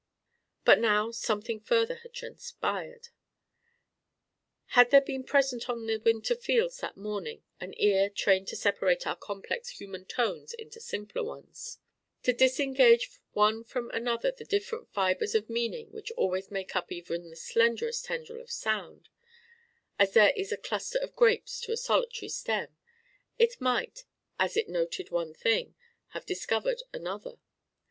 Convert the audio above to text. But now something further had transpired. Had there been present on the winter fields that morning an ear trained to separate our complex human tones into simple ones to disengage one from another the different fibres of meaning which always make up even the slenderest tendril of sound (as there is a cluster of grapes to a solitary stem), it might, as it noted one thing, have discovered another.